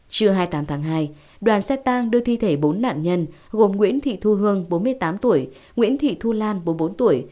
trưa hai mươi tám tháng hai đoàn xe tang đưa thi thể bốn nạn nhân gồm nguyễn thị thu hương bốn mươi tám tuổi nguyễn thị thu lan bốn mươi bốn tuổi